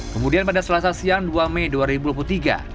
kemudian pada selasa siang dua mei dua ribu dua puluh tiga